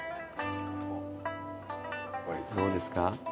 これどうですか？